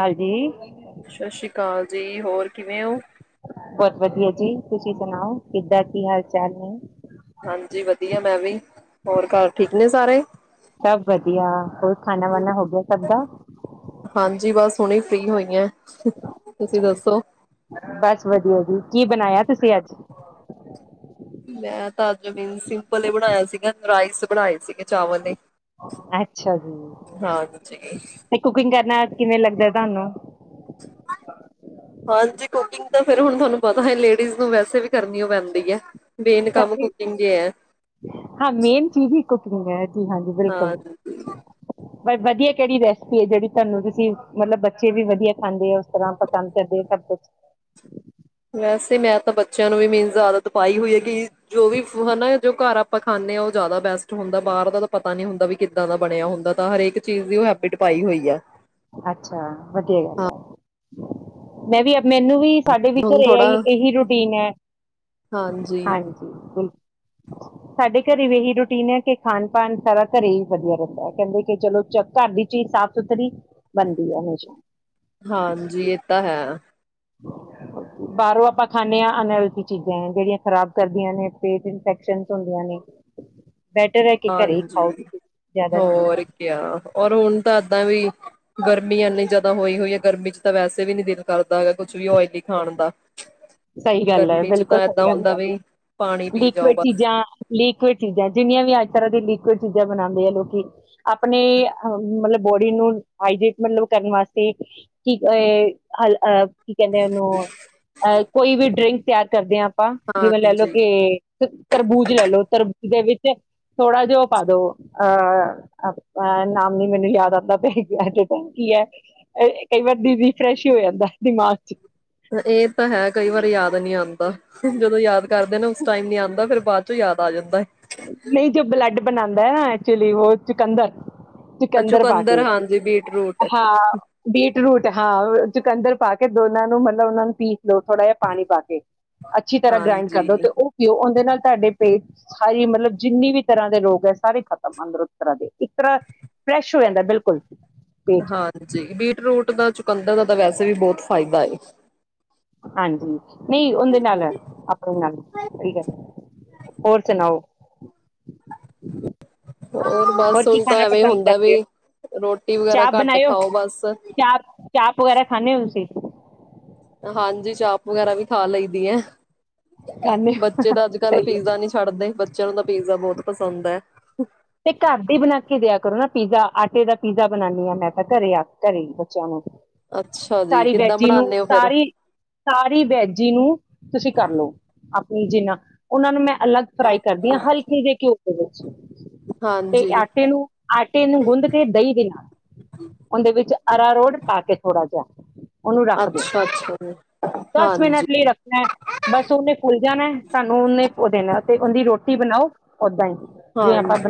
ਹਾਂਜੀ ਸਤਿ ਸ੍ਰੀ ਅਕਾਲ ਜੀ ਹੋਰ ਕਿਵੇਂ ਹੋ ਬਹੁਤ ਵਧੀਆ ਜੀ ਤੁਸੀਂ ਸੁਣਾਓ ਕਿੱਦਾਂ ਕੀ ਹਾਲ ਚਾਲ ਨੇ ਹਾਂਜੀ ਵਧੀਆ ਮੈਂ ਵੀ ਹੋਰ ਘਰ ਠੀਕ ਨੇ ਸਾਰੇ ਖਾ ਬਣਾ ਹੋ ਹੋ ਸਕਦਾ ਹੁਣੀ ਫਰੀ ਹੋਈ ਤੁਸੀਂ ਦੱਸੋ ਬਸ ਵਧੀਆ ਜੀ ਕੀ ਬਣਾਇਆ ਤੁਸੀਂ ਅੱਜ ਮੈਂ ਤਾ ਜ਼ਮੀਨ ਸਿੰਪਲ ਬਣਾਇਆ ਸੀਗਾ ਰਾਈਸ ਬਣਾਏ ਸੀਗੇ ਚਾਵਲ ਨੇ ਅੱਛਾ ਹਾਂਜੀ ਜੀ ਕੁਕਿੰਗ ਕਰਨਾ ਕਿਵੇਂ ਲੱਗਦਾ ਤੁਹਾਨੂੰ ਹਾਂਜੀ ਕੁਕਿੰਗ ਤਾਂ ਫਿਰ ਹੁਣ ਤੁਹਾਨੂੰ ਪਤਾ ਹੈ ਲੇਡੀਜ਼ ਨੂੰ ਵੈਸੇ ਵੀ ਕਰਨੀ ਹੋ ਪੈਂਦੀ ਹੈ ਮੇਨ ਕੰਮ ਕਰਨੀ ਕੁਕਿੰਗ ਈ ਹੈ ਹਾਂ ਮੇਨ ਚੀਜ਼ [unintelligible] ਹਾਂਜੀ-ਹਾਂਜੀ ਬਿਲਕੁਲ ਹਾਂ ਪਰ ਵਧੀਆ ਕਿਹੜੀ ਰੈਸਪੀ ਹੈ ਜਿਹੜੀ ਤੁਹਾਨੂੰ ਤੁਸੀਂ ਮਤਲਬ ਬੱਚੇ ਵੀ ਵਧੀਆ ਖਾਂਦੇ ਉਸ ਤਰ੍ਹਾਂ ਪਸੰਦ ਕਰਦੇ ਹੋ ਸਭ ਕੁਛ। ਵੈਸੇ ਮੈਂ ਤਾਂ ਬੱਚਿਆਂ ਨੂੰ ਵੀ ਮੀਨਜ਼ ਆਦਤ ਪਾਈ ਹੋਈ ਹੈ ਕੀ ਜੋ ਵੀ ਹਨਾ ਜੋ ਘਰ ਆਪਾਂ ਖਾਂਦੇ ਉਹ ਜ਼ਿਆਦਾ ਬੈਸ ਹੁੰਦਾ ਬਾਹਰ ਦਾ ਤਾਂ ਪਤਾ ਨੀ ਹੁੰ ਦਾ ਵੀ ਕਿੱਦਾਂ ਦਾ ਬਣਿਆ ਹੁੰਦਾ ਤਾਂ ਹਰੇਕ ਚੀਜ਼ ਦੀ ਉਹ ਹੈਬਿਟ ਪਾਈ ਹੋਈ ਹੈ। ਅੱਛਾ ਵਧੀਆ ਗੱਲ ਹੈ ਮੈਂ ਵੀ ਮੈਨੂੰ ਵੀ ਸਾਡੇ ਵੀ ਹੁਣ ਘਰੇ ਏਹੀ ਥੋੜਾ ਇਹੀ ਰੂਟੀਨ ਹੈ ਹਾਂਜੀ ਬਿਲਕੁਲ ਸਾਡੇ ਘਰੇ ਵੀ ਇਹੀ ਰੂਟੀਨ ਹੈ ਕਿ ਖਾਨ-ਪਾਨ ਸਾਰਾ ਘਰੇ ਹੀ ਵਧੀਆ ਰਹਿੰਦਾ ਹੈ ਕਹਿੰਦੇ ਕਿ ਚਲੋ ਘਰ ਦੀ ਚੀਜ਼ ਸਾਫ਼ ਸੁਥਰੀ ਬਣਦੀ ਹੈ ਹਮੇਸ਼ਾ। ਹਾਂਜੀ ਇਹ ਤਾਂ ਹੈ ਬਾਹਰੋਂ ਆਪਾਂ ਖਾਂਦੇ ਹਾਂ ਅਨਹਲਥੀ ਚੀਜ਼ਾਂ ਹੈ ਜਿਹੜੀਆਂ ਖ਼ਰਾਬ ਕਰਦੀਆਂ ਨੇ ਪੇਟ ਇਨਫੈਕਸ਼ਨ ਹੁੰਦੀਆਂ ਨੇ। ਬੈਟਰ ਹੈ ਕਿ ਘਰੇ ਹੀ ਖਾਓ ਹਾਂਜੀ ਜ਼ਿਆਦਾ ਸਹੀ ਹੋਰ ਕਿਆ ਹੋਰ ਹੁਣ ਤਾਂ ਤਾਂ ਵੀ ਗਰਮੀ ਇੰਨੀ ਜਿਆਦਾ ਹੋਈ ਹੋਈ ਹੈ ਗਰਮੀ ਚ ਤਾਂ ਵੈਸੇ ਵੀ ਨੀ ਦਿਲ ਕਰਦਾ ਹੈਗਾ ਕੁਛ ਵੀ ਓਇਲੀ ਖਾਣ ਦਾ। ਸਹੀ ਗੱਲ ਹੈ ਗਰਮੀ ਚ ਤਾਂ ਬਿਲਕੁਲ ਏਦਾਂ ਸਹੀ ਗੱਲ ਹੁੰਦਾ ਹੈ। ਵੀ ਪਾਣੀ ਪੀ ਲਿਕੁਡ ਜਾਓ ਬਸ ਚੀਜ਼ਾਂ, ਲਿਕੁਡ ਚੀਜ਼ਾਂ ਜਿੰਨੀਆਂ ਵੀ ਅੱਜ ਤਰ੍ਹਾਂ ਦੀ ਲਿਕੁਡ ਚੀਜ਼ਾਂ ਬਣਾਉਂਦੇ ਆ ਲੋਕੀ। ਆਪਣੇ ਮਤਲਬ ਬੋਡੀ ਨੂੰ ਹਾਈਡੇਟ ਮਤਲਬ ਕਰਨ ਵਾਸਤੇ ਕਿ ਏ ਅਹ ਕੀ ਕਹਿੰਦੇ ਆ ਉਹਨੂੰ ਅਹ ਡਰਿੰਕ ਤਿਆਰ ਕਰਦੇ ਹਾਂ। ਆਪਾਂ ਜਿਵੇਂ ਲੈ ਲਓ ਹਾਂਜੀ ਕੇ ਤਰਬੂਜ ਲੈ ਲਓ। ਤਰਬੂਜ ਦੇ ਵਿੱ ਥੋੜਾ ਜਿਹਾ ਉਹ ਪਾ ਦੋ ਅਹ ਨਾਮ ਨੀ ਮੈਨੂੰ ਯਾਦ ਆਉਂਦਾ ਪਿਆ ਐਟੇ ਟਾਈਮ ਕੀ ਹੈ ਕਈ ਵਾਰ ਦੀਦੀ ਫਰੈਸ਼ ਹੀ ਹੋ ਜਾਂਦਾ ਦਿਮਾਗ ਚ। ਇਹ ਤਾਂ ਹੈ ਕਈ ਵਾਰੀ ਯਾਦ ਨੀ ਆਂਦਾ। ਜਦੋਂ ਯਾਦ ਕਰਦੇ ਆ ਨਾ ਉਸ ਟਾਈਮ ਨੀ ਆਉਂਦਾ ਫੇਰ ਬਾਅਦ ਚ ਯਾਦ ਆ ਜਾਂਦਾ ਐ। ਨਹੀਂ ਜੋ ਬਲੈੱਡ ਬਨਾਦਾ ਐਕਚੁਲੀ ਉਹ ਚੁਕੰਦਰ। ਅ ਚੁਕੰਦਰ ਪਾ ਕੇ ਹਾਂਜੀ ਬੀਟ ਰੂਟ ਹਾਂ ਬੀਟਰੂਟ ਹਾਂ ਚੁਕੰਦਰ ਪਾ ਕਿ ਦੋਨਾਂ ਨੂੰ ਮਤਲਬ ਉਹਨਾਂ ਨੂੰ ਪੀਸ ਲਓ ਥੋੜਾ ਜਿਹਾ ਪਾਣੀ ਪਾ ਕੇ। ਅੱਛੀ ਤਰ੍ਹਾਂ ਗ੍ਰਾਈੰਡ ਕਰ ਦਿਉ ਹਾਂਜੀ ਤੇ ਉਹ ਪਿਓ ਦੇ ਨਾਲ ਤੁਹਾਡੇ ਪੇਟ ਸਾਰੀ ਮਤਲਬ ਜਿੰਨੀ ਵੀ ਤਰ੍ਹਾਂ ਦੇ ਰੋਗ ਹੈ ਸਾਰੇ ਖਤਮ ਅੰਦਰੋਂ ਇੱਕ ਤਰ੍ਹਾਂ ਦੇ ਇੱਕ ਤਰ੍ਹਾਂ ਫਰੈਸ਼ ਹੋ ਜਾਂਦਾ ਬਿਲਕੁਲ। ਪੇਟ ਹਾਂਜੀ, ਬੀਟ ਰੂਟ ਦਾ ਚੁਕੰਦਰ ਦਾ ਤਾਂ ਵੈਸੇ ਵੀ ਬਹੁਤ ਫ਼ਾਇਦਾ ਏ। ਹਾਂਜੀ, ਨਹੀਂ ਉਹਦੇ ਨਾਲ ਏ ਆਪਣੇ ਨਾਲ ਨੀ [unintelligible] ਹੋਰ ਸੁਣਾਓ। ਹੋਰ, ਬਸ ਕੀ ਹੁਣ ਤਾਂ ਖਾਣਾ ਐਵੇਂ ਪਸੰਦ ਹੁੰਦਾ ਵੀ, ਕਰਦੇ ਹੋ ਰੋਟੀ ਵਗੈਰਾ ਚਾਪ ਘੱਟ ਬਣਾਇਓ ਖਾਓ ਬਸ। ਚਾਪ ਚਾਪ ਵਗੈਰਾ ਖਾਂਦੇ ਹੋ ਤੁਸੀਂ ਹਾਂਜੀ, ਚਾਪ ਵਗੈਰਾ ਵੀ ਖਾ ਲਈ ਦੀ ਹੈ। ਖਾਂਦੇ ਹੋ ਬੱਚੇ ਤਾਂ ਅੱਜ ਕੱਲ ਸਹੀ ਪੀਜ਼ਾ ਨੀ ਛੱਡਦੇ ਚਲਦਾ ਪੀਜ਼ਾ ਬਹੁਤ ਪਸੰਦ ਹੈ। ਤੇ ਘਰ ਦੀ ਬਣਾ ਕੇ ਦਿਆ ਕਰੋ ਨਾ ਪੀਜ਼ਾ। ਆਟੇ ਦਾ ਪੀਜ਼ਾ ਬਣਾਉਨਦੀ ਹਾਂ ਮੈਂ ਤਾਂ, ਘਰੇ ਆਪ ਘਰੇ ਬੱਚਿਆਂ ਨੂੰ। ਅੱਛਾ ਜੀ ਸਾਰੀ ਕਿੱਦਾਂ ਵੈਜੀ ਨੂੰ, ਬਣਾਉਂਦੇ ਹੋ ਫਿਰ ਸਾਰੀ, ਸਾਰੀ ਵੈਜੀ ਨੂੰ ਤੁਸੀਂ ਕਰ ਲਓ ਆਪ। ਜਿੰਨਾ, ਉਹਨਾਂ ਨੂੰ ਮੈਂ ਅਲੱਗ ਫਰਾਈ ਕਰਦੀ ਹਾਂ। ਹਲਕੇ ਜੇ ਘਿਉ ਚਲੋ, ਠੀਕ ਹੈ। ਤੇ ਹਾਂਜੀ ਆਟੇ ਨੂੰ, ਆਟੇ ਨੂੰ ਗੁੰਦ ਕੇ ਦਹੀਂ ਦੇ ਨਾਲ। ਉਹਦੇ ਵਿੱਚ ਅਰਾਰੋਟ ਪਾ ਕੇ ਥੋੜ੍ਹਾ ਜਿਹਾ। ਉਹਨੂੰ ਰੱਖ ਦੋ। ਅੱਛਾ ਅੱਛਾ ਜੀ ਦਸ ਹਾਂਜੀ ਮਿੰਟ ਲਈ ਰੱਖਣਾ। ਬਸ ਉਹਨੇ ਫੁੱਲ ਜਾਣਾ ਸਾਨੂੰ ਉਹਨੇ ਦੇਣਾ ਤੇ ਉਹਦੀ ਰੋਟੀ ਬਣਾਓ। ਓਦਾਂ ਹੀ ਜਿਵੇਂ ਆਪਾ, ਹਾਂਜੀ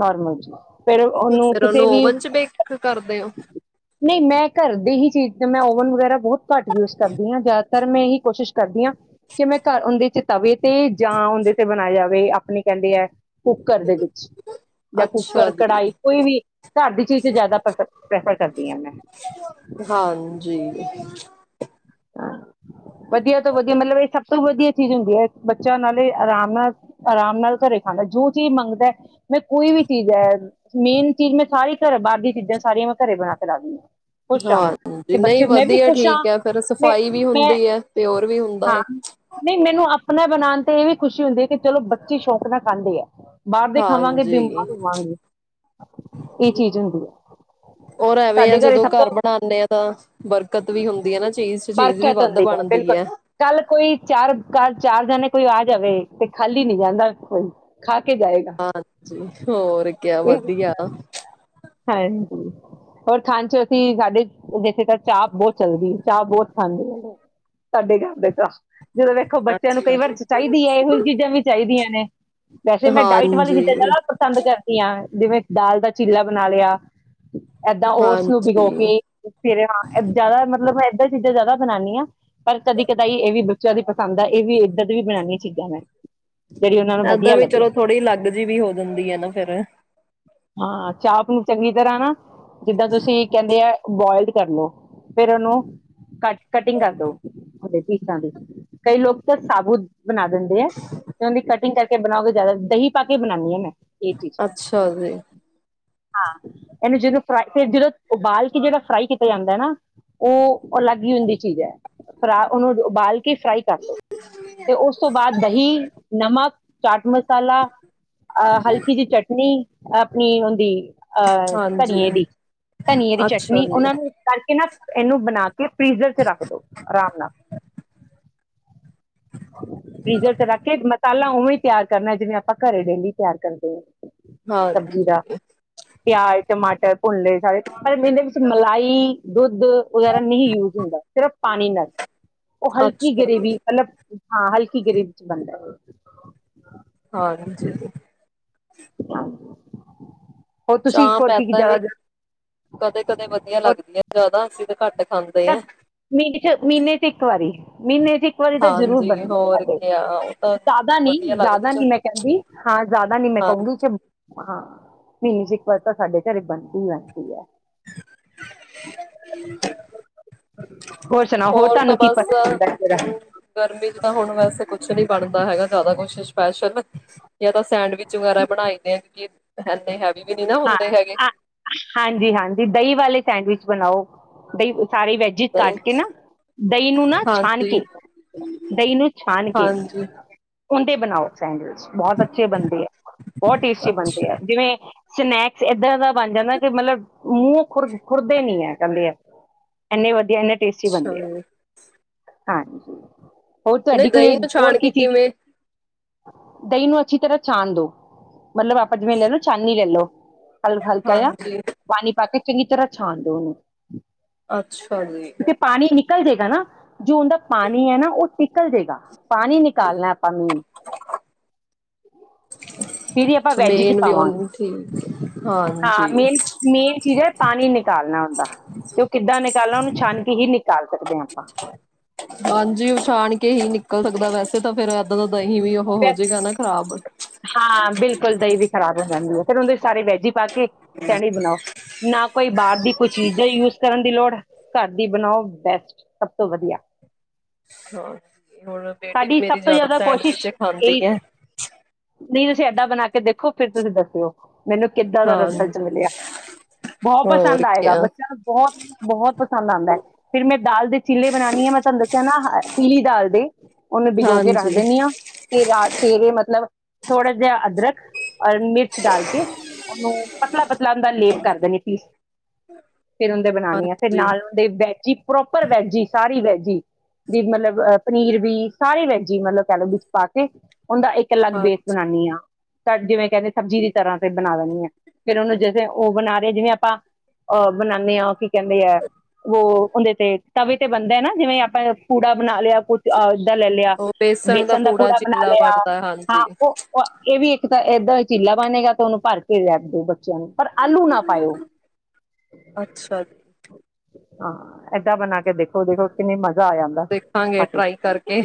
ਨੋਰਮਲ ਚ, ਫਿਰ ਉਹਨੂੰ ਫੇਰ ਕਿਸੇ ਵੀ, ਓਵਨ ਚ ਬੇਕ ਕਰਦੇ ਹੋ? ਨਹੀਂ ਮੈਂ ਘਰ ਦੇ ਹੀ ਚੀਜ਼ ਮੈਂ ਓਵਨ ਵਗੈਰਾ ਬਹੁਤ ਘੱਟ ਯੂਜ ਕਰਦੀ ਹਾਂ ਜਾ ਸਰ ਮੈਂ ਇਹੀ ਕੋਸ਼ਿਸ਼ ਕਰਦੀ ਹਾਂ ਕਿ ਮੈਂ ਘਰ ਉਹਦੇ ਚ ਤਵੇ ਤੇ ਜਾਂ ਉਹਦੇ ਤੇ ਬਣਾਇਆ ਜਾਵੇ ਆਪਣੇ ਕਹਿੰਦੇ ਐ ਕੁਕਰ ਦੇ ਵਿੱਚ ਜਾਂ ਅੱਛਾ ਕੁਕਰ ਜੀ, ਕੜਾਹੀ ਕੋਈ ਵੀ ਘਰ ਦੀ ਚੀਜ਼ ਚ ਜ਼ਿਆਦਾ ਪ੍ਰੈਫਰ ਕਰਦੀ ਹਾਂ ਮੈਂ। ਹਾਂਜੀ। ਵਧੀਆ ਤੋਂ ਵਧੀਆ ਮਤਲਬ ਇਹ ਸਭ ਤੋਂ ਵਧੀਆ ਚੀਜ਼ ਹੁੰਦੀ ਹੈ, ਬੱਚਿਆਂ ਐ ਨਾਲ ਆਰਾਮ ਨਾਲ ਆਰਾਮ ਨਾਲ ਘਰੇ ਖਾਣਾ ਜੋ ਚੀਜ਼ ਮੰਗਦਾ ਮੈਂ ਕੋਈ ਵੀ ਚੀਜ਼ ਹੈ ਮੇਨ ਚੀਜ਼ ਮੈਂ ਸਾਰੀ ਘਰ ਬਾਹਰਲੀ ਚੀਜ਼ਾਂ ਸਾਰੀਆਂ ਮੈਂ ਘਰੇ ਬਣਾ ਕੇ ਰਖਦੀ ਆ। ਹਾਂਜੀ ਨਹੀਂ ਵਧੀਆ ਹਾਂ ਠੀਕ ਹੈ, ਫਿਰ ਮੈਂ ਸਫ਼ਾਈ ਵੀ ਮੈਂ ਹੁੰਦੀ ਹੈ। ਤੇ ਹੋਰ ਵੀ ਹੁੰਦਾ ਹਾਂ ਐ। ਨਹੀਂ ਮੈਨੂੰ ਆਪਣਾ ਬਣਾਣ ਤੇ ਇਹ ਵੀ ਖੁਸ਼ੀ ਹੁੰਦੀ ਹੈ, ਕਿ ਚਲੋ ਬੱਚੀ ਸ਼ੌਕ ਨਾਲ ਖਾਂਦੇ ਹੈ। ਹਾਂਜੀ ਇਹ ਚੀਜ਼ ਹੁੰਦੀ ਹੈ ਔਰ ਐਵੇਂ ਆ ਸਾਡੇ ਘਰੇ ਜਦੋਂ ਸਭ ਤੋਂ ਘਰ ਬਣਾਨੇ ਆ ਤਾਂ ਬਰਕਤ ਵੀ ਹੁੰਦੀ ਹੈ ਨਾ ਚੀਜ਼ ਚ ਚੀਜ਼ ਵੀ ਬਰਕਤ ਵੱਧ ਹੁੰਦੀ ਹੈ ਬਣ ਬਿਲਕੁਲ ਕੱਲ ਕੋਈ ਚਾਰ ਚਾਰ ਜਣੇ ਕੋਈ ਆ ਜਾਵੇ, ਤੇ ਖਾਲੀ ਨੀ ਜਾਂਦਾ ਕੋਈ। ਕੇ ਜਾਏਗਾ ਹਾਂਜੀ ਹੋਰ ਕਿਆ ਇਹ ਵਧੀਆ। ਹਾਂਜੀ ਹੋਰ ਖਾਣ ਚ ਅਸੀਂ ਸਾਡੇ ਜਿਆਦਾਤਰ ਚਾਹ ਬਹੁਤ ਚੱਲਦੀ ਐ ਚਾਹ ਬਹੁਤ ਖਾਂਦੇ ਐ ਸਾਡੇ ਘਰ ਦੇ ਚਾਹ। ਜਦੋਂ ਵੇਖੋ ਬੱਚਿਆਂ ਨੂੰ ਕਈ ਅੱਛਾ। ਵਾਰ ਚਾਹੀਦੀ ਹੈ, ਇਹੋ ਜਹੀ ਚੀਜ਼ਾਂ ਵੀ ਚਾਹੀਦੀਆਂ ਨੇ। ਵੈਸੇ ਮੈਂ ਡਾਈਟ ਵਾਲੀ ਚੀਜ਼ਾਂ ਹਾਂਜੀ, ਜਿਆਦਾ ਪਸੰਦ ਕਰਦੀ ਆ। ਜਿਵੇਂ ਦਾਲ ਦਾ ਚੀਲਾ, ਬਣਾ ਲਿਆ। ਏਦਾਂ ਓਟਸ ਨੂੰ ਭਿਗੋ ਹਾਂਜੀ। ਕੇ ਫਿਰ ਹਾਂ ਜਿਆਦਾ ਮਤਲਬ ਐ ਐ ਚੀਜ਼ਾਂ ਜ਼ਿਆਦਾ ਬਨਾਨੀ ਆਂ ਪਰ ਕਦੀ ਕਦਾਈ ਇਹ ਵੀ ਬੱਚਿਆਂ ਦੀ ਪਸੰਦ ਆ ਇਹ ਵੀ ਇੱਦਾਂ ਦੀ ਵੀ ਬਣਾਨੀ ਚੀਜ਼ਾਂ ਮੈਂ ਜਿਹੜੀ ਉਹਨਾਂ ਨੂੰ ਏਦਾਂ ਵਧੀਆ ਵੀ ਚਲੋ ਲੱਗੇ ਥੋੜ੍ਹੀ ਅਲੱਗ ਜੀ ਵੀ ਹੋ ਜਾਂਦੀ ਆ ਨਾ ਫੇਰ ਹਾਂ ਚਾਪ ਨੂੰ ਚੰਗੀ ਤਰ੍ਹਾਂ ਨਾ ਜਿੱਦਾਂ ਤੁਸੀਂ ਕਹਿੰਦੇ ਆ ਬੋਇਲ ਕਰਲੋ ਫਿਰ ਉਹਨੂੰ ਕਟ ਕਟਿੰਗ ਕਰਦੋ ਉਹਦੇ ਪੀਸਾਂ ਦੀ ਕਈ ਲੋਕ ਤਾਂ ਸਾਬੂਤ ਬਣਾ ਦਿੰਦੇ ਆ, ਤੇ ਉਹਨਾ ਦੀ ਕੰਟੀਗ ਕ ਕੇ ਬਣਾਓਗੇ ਜਿਆਦਾ ਦਹੀਂ ਪਾ ਕੇ ਬਣਾਨੀ ਆ ਮੈਂ। ਇਹ ਚੀਜ਼ ਅੱਛਾ ਜੀ, ਹਾਂ ਇਹਨੂੰ ਜਦੋਂ ਫਰਾਈ ਫਿਰ ਜਦੋਂ ਉਬਾਲ ਕੇ ਜਿਹੜਾ ਫਰਾਈ ਕੀਤਾ ਜਾਂਦਾ ਹੈ, ਨਾ ਉਹ ਅਲੱਗ ਹੀ ਹੁੰਦੀ ਚੀਜ਼ ਹੈ, ਫਰਾ ਉਹਨੂੰ ਉਬਾਲ ਕੇ ਕਿ ਫਰਾਈ ਕਰ ਦੋ ਤੇ ਉਸ ਤੋਂ ਬਾਅਦ ਦਹੀਂ ਨਮਕ ਚਾਟ ਮਸਾਲਾ ਅ ਹਲਕੀ ਜੀ ਚਟਨੀ ਆਪਣੀ ਉਹਦੀ ਹਾਂਜੀ, ਧਨੀਏ ਦੀ ਧਨੀਏ ਦੀ ਅੱਛਾ ਚਟਨੀ ਜੀ, ਉਹਨਾਂ ਨੂੰ ਕਰਕੇ ਨਾ ਇਹਨੂੰ ਬਣਾ ਕੇ ਫਰੀਜ਼ਰ ਚ ਰੱਖ ਦੋ ਆਰਾਮ ਨਾਲ ਫਰੀਜਰ ਰੱਖ ਕੇ ਮਸਾਲਾ ਉਵੇਂ ਤਿਆਰ ਕਰਨਾ ਜਿਵੇਂ ਆਪਾਂ ਘਰੇ ਡੇਲੀ ਤਿਆਰ ਕਰਦੇ ਹਾਂ ਹਾਂ ਸਬਜ਼ੀ ਦਾ ਪਿਆਜ ਟਮਾਟਰ ਭੁੰਨਲੇ ਸਾਰੇ ਪਰ ਇਹਦੇ ਵਿੱਚ ਮਲਾਈ ਦੁੱਧ ਵਗੈਰਾ ਨਹੀਂ ਯੂਜ ਹੁੰਦਾ ਸਿਰਫ ਪਾਣੀ ਨਾਲ ਉਹ ਹਲਕੀ ਅੱਛਾ ਗਰੇਵੀ ਜੀ, ਮਤਲਬ ਹਾਂ ਹਲਕੀ ਗਰੇਬੀ ਚ ਬਣਦਾ ਹੈ ਹਾਂਜੀ ਜੀ ਆਹ ਚਾਂਪ ਐਦਾ ਵੀ ਕਦੇ ਕਦੇ ਵਧੀਆ ਲੱਗਦੀਆਂ ਜ਼ਿਆਦਾ ਅਸੀਂ ਤੇ ਘੱਟ ਖਾਂਦੇ ਆ ਮਹੀਨੇ ਚ ਮਹੀਨੇ ਚ ਇੱਕ ਵਾਰੀ ਮਹੀਨੇ ਚ ਇੱਕ ਵਾਰੀ ਤਾਂ ਜ਼ਰੂਰ ਬਣ ਹਾਂਜੀ ਹੋਰ ਸਾਡੇ ਕਿਆ ਉਹ ਤਾਂ ਜ਼ਿਆਦਾ ਨੀ ਵਧੀਆ ਲੱਗਦੇ ਜ਼ਿਆਦਾ ਚ ਨੀ ਮੈਂ ਕਹਿੰਦੀ ਹਾਂ ਜ਼ਿਆਦਾ ਨੀ ਮੈਂ ਕਹੂੰਗੀ ਕਿ ਹਾਂਜੀ ਹਾਂ ਮੀਜ ਇੱਕ ਵਾਰ ਤਾਂ ਸਾਡੇ ਘਰੇ ਬਣਦੀ ਰਹਿੰਦੀ ਹੈ [inaudible] ਸ ਹੋਰ ਤਾਂ ਬਸ ਗਰਮੀ ਚ ਤਾਂ ਹੁਣ ਵੈਸੇ ਕੁਛ ਨੀ ਬਣਦਾ ਹੈਗਾ ਜ਼ਿਆਦਾ ਕੁਛ ਸਪੈਸ਼ਲ ਜਾਂ ਤਾਂ ਸੈਂਡਵਿਚ ਵਗੈਰਾ ਬਣਾਈ ਦੇ ਆ ਕਿਉਂਕਿ ਹੈੇ ਹੈ ਵੀ ਨੀ ਨਾ ਹਾਂ ਹੁੰਦੇ ਹੈਗੇ ਹਾਂਜੀ ਹਾਂਜੀ ਦਹੀਂ ਵਾਲੇ ਸੈਂਡਵਿਚ ਬਣਾਓ ਬਈ ਸਾਰੇ ਵੈਜਿਜ ਦਹੀਂ ਕੱਟ ਕੇ ਨਾ ਦਹੀਂ ਨੂੰ ਨਾ ਛਾਨ ਹਾਂਜੀ ਕੇ ਦਹੀਂ ਨੂੰ ਛਾਨ ਕੇ ਹਾਂਜੀ ਉਹਦੇ ਬਣਾਓ ਸੈਂਡਵਿੱਚ ਬਹੁਤ ਅੱਛੇ ਬਣਦੇ ਹੈ ਬਹੁਤ ਟੇਸਟੀ ਬਣਦੇ ਅੱਛਾ ਹੈ ਜਿਵੇਂ ਸਨੈਕਸ ਇੱਦਾਂ ਦਾ ਬਣ ਜਾਂਦਾ ਕਿ ਮਤਲਬ ਮੂੰਹ ਖੁਰ ਖੁਰਦੇ ਨੀ ਹੈ ਕਹਿੰਦੇ ਆ ਇੰਨੇ ਵ ਇੰਨਾ ਟੇਸਟੀ ਅੱਛਾ ਬਣਦੇ ਆ ਜੀ ਹਾਂਜੀ ਹੋਰ ਨਹੀਂ ਤੁਹਾਡੀ ਦਹੀਂ ਕੋਈ ਨੂੰ ਹੋਰ ਛਾੜ ਕੀ ਕੇ ਚੀਜ਼ ਕਿਵੇਂ ਦਹੀਂ ਨੂੰ ਅੱਛੀ ਤਰ੍ਹਾਂ ਛਾਣ ਦਿਉ ਮਤਲਬ ਆਪ ਜਿਂਵੇ ਲੈ ਲੋ ਚਾਂਨੀ ਲੈ ਲਓ ਹਲ ਹਾਲਕਾਇਆ ਹਾਂਜੀ ਪਾਣੀ ਪਾ ਕੇ ਚੰਗੀ ਤਰ੍ਹਾਂ ਛਾਣ ਦੋ ਉਹਨੂੰ ਅੱਛਾ ਜੀ ਕਿਉਂਕਿ ਪਾਣੀ ਨਿਕਲ ਜਾਏਗਾ ਨਾ ਜੋ ਉਹਦਾ ਪਾਣੀ ਹੈ ਨਾ ਉਹ ਟਿਕਲ ਜਾਵੇਗਾ ਪਾਣੀ ਨਿਕਾਲਣਾ ਆਪਾਂ ਮੇਨ ਫੀਰ ਆਪਾਂ ਅੱਛਾ ਵੈਜ ਚ ਮੇਨ ਵੀ ਪਾਵਾਂ ਉਹ ਠੀਕ ਹਾਂ ਹਾਂਜੀ ਮੇਨ ਮੇਨ ਚੀਜ਼ ਹੈ ਪਾਣੀ ਨਿਕ ਕਾਲਣਾ ਹੁੰਦਾ ਤੇ ਉਹ ਕਿੱਦਾਂ ਨਿਕਾਲਣਾ ਉਹਨੂੰ ਛਾਨ ਕੇ ਹੀ ਨਿਕਾਲ ਸਕਦੇ ਹਾਂ ਆਪਾਂ ਹਾਂਜੀ ਉ ਛਾਨ ਕੇ ਹੀ ਨਿਕਲ ਸਕਦਾ ਵੈਸੇ ਤਾਂ ਫੇਰ ਇੱਦਾਂ ਤਾਂ ਨਹੀਂ ਵੀ ਉਹ ਫਿਰ ਹੋਜੇਗਾ ਨਾ ਖਰਾਬ ਖਰਾਬ ਹੋ ਜਾਂਦੀ ਹੈ ਫਿਰ ਉਹਦੇ ਸਾਰੇ ਵੈਜੀ ਪਾ ਕੇ ਚਹਿਣੀ ਬਣਾਓ ਨਾ ਕੋਈ ਬਾਹਰ ਘ ਦੀ ਕੁਛ ਚੀਜ਼ ਯੂਜ ਕਰਨ ਦੀ ਲੋੜ ਘਰ ਦੀ ਬਣਾਓ ਬੈਸਟ ਸਭ ਤੋਂ ਵਧੀਆ ਹਾਂ ਹੁਣ ਬੇਟੀ ਵੀ ਸਾਡੀ ਸਭ ਮੇਰੀ ਤੋਂ ਜਿਆਦਾ ਜ਼ਿਆਦਾ ਸੈਂਡਵਿਚ ਕੋਸ਼ਿਸ਼ ਖਾਂ ਦੀ ਇਹੀ ਹੈ ਤੁਸੀਂ ਏਦਾਂ ਬਣਾ ਕੇ ਦੇਖੋ ਫਿਰ ਤੁਸੀਂ ਦੱਸਿਓ ਮੈਨੂੰ ਕਿੱਦਾਂ ਦਾ ਰਿਜ਼ਲਟ ਮਿਲਿਆ ਹਾਂਜੀ ਬਹੁਤ ਪਸੰਦ ਹੋਰ ਆਏਗਾ ਕਿਆ ਬੱਚਯਾਂ ਨੂੰ ਬਹੁਤ ਬਹੁਤ ਪਸੰਦ ਆਉਂਦਾ ਫਿਰ ਮੈਂ ਦਾਲ ਦੇ ਚੀਲੇ ਬਣਾਉਾਨਦੀ ਹਾਂ ਮੈਂ ਤੁਹਾਨੂੰ ਦੱਸਿਆ ਨਾ ਪੀਲੀ ਦਾਲ ਦੇ ਉਹਨੂੰ ਡਿਗੋ ਕੇ ਰੱਖ ਹਾਂਜੀ ਦਿੰਦੀ ਆਂ ਤੇ ਰਾ ਚਿਹਰੇ ਮਤਲਬ ਥੋੜਾ ਜਿਹਾ ਅਦਰਕ ਮਿਰਚ ਡਾਲ ਕੇ ਉਹਨੂੰ ਪਤਲਾ ਪਤਲਾ ਉਹਦਾ ਲੇਪ ਕਰ ਦੇਿੰਣੀ ਪੀਸ ਫਿਰ ਉਹਦੇ ਬਣਾਉਣੇ ਆ ਫਿਰ ਹਾਂਜੀ ਨਾਲ ਉਹਦੇ ਵੈਜੀ ਪ੍ਰੋਪਰ ਵੈਜੀ ਸਾਰੀ ਵੈਜੀ ਦੀ ਮਤਲਬ ਪਨੀਰ ਵੀ ਸਾਰੇ ਵੈਜੀ ਮਤਲਬ ਕਹਿ ਲਓ ਬ ਬਾਕੀ ਉਹਦਾ ਇੱਕ ਅਲੱਗ ਬੇਸ ਹਾਂਜੀ ਬਨਉਾਨਣੀ ਆ ਜਿਵੇਂ ਕਹਿੰਦੇ ਸਬਜ਼ੀ ਦੀ ਤਰ੍ਹਾਂ ਤੇ ਬਣਾ ਦੇਣੀ ਹੈ ਫੇਿਰ ਉਹਨੂੰ ਜਂ ਉਹ ਬਣਾ ਰਹੇ ਜਿਵੇਂ ਆਪਾਂ ਅਹ ਬਣਾਉਂਦੇ ਹਾਂ ਕੀ ਕਹਿੰਦੇ ਹੈ ਉਹ ਉਹਦੇ ਤੇ ਤਵੇ ਤੇ ਬਣਦਾ ਹੈ ਨਾ ਜਿਵੇਂ ਆਪਾਂ ਪੂੜਾ ਬਣਾ ਲਿਆ ਕੁੱਛ [unintelligible] ਲੈ ਲਿਆ ਉਹ ਬੇਸਣ ਦਾ ਪੂੜਾ ਬਣਾ ਚਿੱਲਾ ਲਿਆ ਬਣਦਾ ਹਾਂ ਹਾਂਜੀ ਉਹ ਇਹ ਵੀ ਇੱਕ ਤਾਂ ਏਦਾਂ ਹੀ ਚੀਲਾ ਬਣੇੇਗਾ ਤਾਂ ਉਹਨੂੰ ਭਰ ਕੇ ਰੱਖ ਦਿਓ ਪਰ ਆਲੂ ਨਾ ਪਾਇਓ ਅੱਛਾ ਜੀ ਹਾਂ ਏਦਾਂ ਬਣਾ ਕੇ ਦੇਖੋ ਦੇਖੋ ਕਿੰਨੀ ਮਜ਼ ਦੇਖਾਂਗੇ ਟਰਾਈ ਕਰਕੇ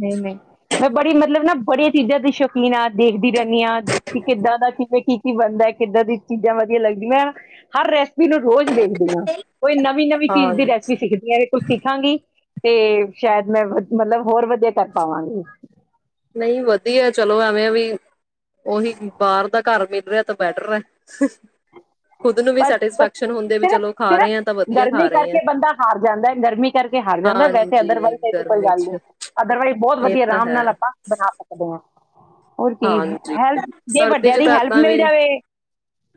ਨਹੀਂ ਨਹੀਂ ਮੈਂ ਬੜੀ ਮਤਲਬ ਨਾ ਬੜੀਆਂ ਚੀਜ਼ਾਂ ਦੀ ਸ਼ੌਕੀਨ ਹਾਂ ਦੇਖਦੀ ਰਹਿੰਦੀ ਹਾਂ ਕਿ ਕਿੱਦਾਂ ਦਾ ਕਿਵੇਂ ਕੀ ਕੀ ਬਣਦਾ ਕਿੱਦਾਂ ਦੀ ਚੀਜ਼ਾਂ ਵਧੀਆ ਲੱਗਦੀਆਂ ਹਰ ਰੈਸਿਪੀ ਨੂੰ ਰੋਜ਼ [unintelligible] ਕੋਈ ਨਵੀਂ ਨਵੀਂ ਚੀਜ਼ ਦੀ ਹਾਂਜੀ ਰੈਸਪੀ ਸਿੱਖਦੀਆਂ ਇਹ ਕੁਝ ਸਿੱਖਾਂਗੀ ਤੇ ਸ਼ਾਇਦ ਮੈਂ ਮਤਲਬ ਹੋਰ ਵਧੀਆ ਕਰ ਪਾਵਾਂਗੇ ਨਹੀਂ ਵਧੀਆ ਚਲੋ ਐਵੇਂ ਵੀ ਉਹੀ ਬਾਹਰ ਦਾ ਘਰ ਮਿਲ ਰਿਹਾ ਤਾਂ ਬੈਟਰ ਹੈ ਖੁਦ ਨੂੰ ਵੀ ਪਰ ਬਸ ਸੈਟਿਸਫੈਕਸ਼ਨ ਹੁੰਦੇ ਵੀ ਸਿਰਫ ਚਲੋ ਖਾ ਸਿਰਫ਼ ਰਹੇ ਆ ਤਾਂ ਵਧੀਆ ਖਾ ਗਰਮੀ ਰਹੇ ਆ ਕਰਕੇ ਬੰਦਾ ਹਾਰ ਜਾਂਦਾ ਗਰਮੀ ਕਰਕੇ ਹਾਰ ਜਾਂਦਾ ਵੈਸੇ ਹਾਂਜੀ ਅਦਰਵਾਈਜ਼ ਇਹਹੀ ਕੋਈ ਗਰਮੀ ਗੱਲ ਚ ਨਹੀਂ ਅਦਰਵਾਈਜ਼ ਬਹੁਤ ਇਹ ਵਧੀਆ ਤਾਂ ਆਰਾਮ ਹੈ ਨਾਲ ਆਪਾਂ ਬਣਾ [unintelligible] ਹੋਰ ਕੀ ਹਾਂਜੀ ਹੈਲਪ ਜੇ ਸਰਦੀ ਵੱਡਿਆਂ ਚ ਦੀ ਤਾਂ ਹੈਲਪ ਏਦਾਂ ਮਿਲ ਵੀ ਜਾਵੇ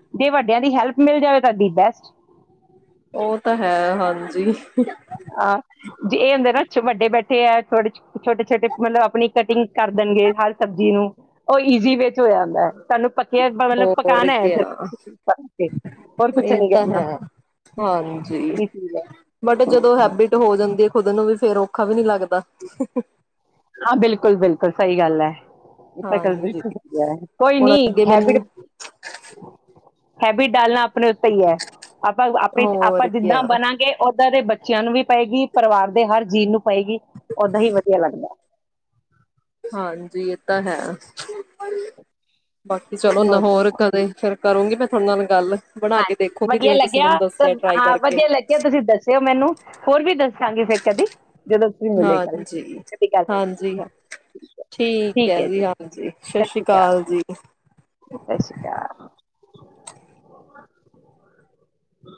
[unintelligible] ਵਡਿਆਂ ਦੀ ਹੈਲਪ ਮਿਲ ਜਾਵੇ ਤੁਹਾਡੀ ਬੈਸਟ ਉਹ ਤਾਂ ਹੈ ਹਾਂਜੀ ਹਾਂ ਇਹ ਹੁੰਦੇ ਨਾ ਵੱਡੇ ਬੈਠੇ ਹੈ ਛੋਟੇ ਛੋਟੇ ਛੋਟੇ ਮਤਲਬ ਆਪਣੀ ਕਟਿੰਗ ਕਰ ਦੇਣਗੇ ਹਰ ਸਬਜ਼ੀ ਨੂੰ ਉਹ ਈਜ਼ੀ ਵਿੱਚ ਹੋਇਆ ਹੁੰਦਾ ਹੈ ਸਾਨੂੰ ਪੱਕੀ ਮਤਲਬ ਹੋਰ ਪਕਾਾਨ ਹੈ ਕਿਆ ਹੋਰ ਕੁਛ ਇਹ ਨੀ ਤਾਂ ਕਰਨਾ ਹੈ ਹਾਂਜੀ ਕੀ ਚੀਜ਼ ਹੈ ਬਟ ਜਦੋਂ ਹੈਬਿਟ ਹੋ ਜਾਂਦੀ ਹੈ ਖੁਦ ਨੂੰ ਵੀ ਫੇਰ ਔਖਾ ਵੀ ਨਹੀਂੀ ਲੱਗਦਾ ਹਾਂ ਬਿਲਕੁਲ ਬਿਲਕੁਲ ਸਹੀ ਗੱਲ ਹੈ ਹਾਂਜੀ [unintelligible] ਕੋਈ ਨੀ ਹੁਣ ਅੱਗੇ ਹੈਬੀਟ ਮੈਨੂੰ ਹੈਬਿਟ ਡਾਲਣਾ ਆਪ ਆਪਣੇ ਉੱਤੇ ਹੀ ਹੈ ਆਪਾਂ ਆਪੇ ਆਪਾਂ ਹੋਰ ਜਿੱਦਾਂ ਕਿਆ ਬਣਾਂਗੇ [unintelligible] ਬੱਚਿਆਂ ਨੂੰ ਵੀ ਪਏਗੀ ਪਰਿਵਾਰ ਦੇ ਹਰ ਜੀ ਨੂੰ ਪਏਗੀ ਓਦਾਂ ਹੀ ਵਧੀਆ ਲੱਗਦਾ ਹਾਂਜੀ ਇਹ ਤਾਂ ਹੈ ਬਾਕੀ ਚਲੋ ਨਾ ਹੋਰ ਕਦੇ ਫਿਰ ਕਰੂੰਗੀ ਮੈਂ ਤੁਹਾਡੇ ਨਾਲ ਗੱਲ ਬਣਾ ਕੇ ਹਾਂਜੀ ਦੇਖੂੰਗੀ ਵਧੀਆ ਜਿਵੇਂ ਤੁਸੀਂ ਲੱਗਿਆ ਮੈਨੂੰ ਦੱਸਿਆ ਟਰਾਈ ਹਾਂ ਕਰਕੇ ਵਧੀਆ ਲੱਗਿਆ ਤੁਸੀਂ ਦੱਸਿਓ ਮੈਨੂੰ ਹੋਰ ਵੀ ਦੱਸ ਚਗੀਗੇ [unintelligible] ਫੇ ਕਦੀ ਜਦੋਂ ਤੁਸੀਂ ਮਿਲੇ ਕੱਲ ਹਾਂਜੀ ਕਦੀ ਗੱਲ ਹੋਈ ਹਾਂਜੀ ਹਾਂ ਠੀਕ ਹੈ ਜੀ ਹਾਂਜੀ ਸਤਿ ਸ੍ਰੀ ਅਕਾਲ ਜੀ [unintelligible] ਹਮ [inaudible]